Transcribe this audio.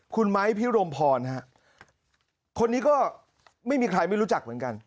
คุณไม้พิรมพรฮะคนนี้ก็ไม่มีใครไม่รู้จักเหมือนกัน